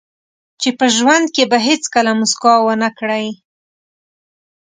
چې په ژوند کې به هیڅکله موسکا ونه کړئ.